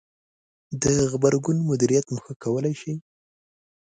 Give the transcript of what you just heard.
-د غبرګون مدیریت مو ښه کولای ش ئ